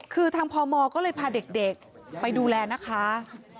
คือทางพมก็เลยพาเด็กไปดูแลนะคะ